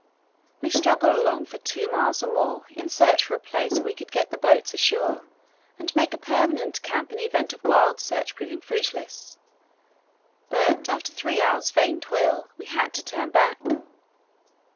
We struggled along for two miles or more in the search for a place where we could get the boats ashore and make a permanent camp in the event of Wild's search proving fruitless, but after three hours' vain toil we had to turn back.